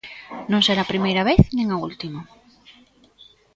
Non será a primeira vez, nin a última.